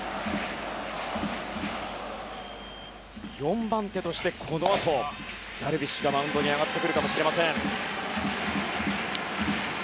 ４番手として、このあとダルビッシュがマウンドに上がってくるかもしれません。